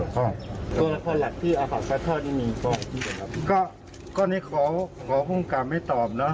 ก็นี่ขอพุ่งกรรมให้ตอบนะ